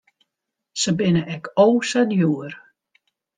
Se binne ek o sa djoer.